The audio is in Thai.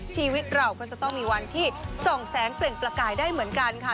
ชีวิตเราก็จะต้องมีวันที่ส่องแสงเปล่งประกายได้เหมือนกันค่ะ